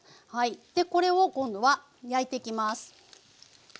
これを今度は焼いていきます。